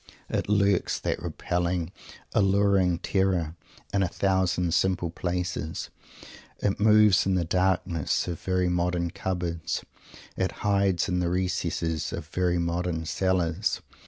It lurks, that repelling alluring Terror, in a thousand simple places. It moves in the darkness of very modern cupboards. It hides in the recesses of very modern cellars.